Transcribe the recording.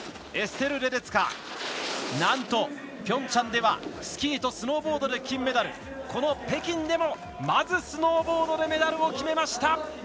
エステル・レデツカなんと、ピョンチャンではスキーとスノーボードで金メダル、この北京でもまずスノーボードでメダルを決めました！